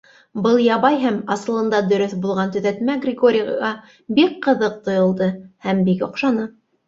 Был ябай һәм асылында дөрөҫ булған төҙәтмә Григорийға бик ҡыҙыҡ тойолдо һәм бик оҡшаны.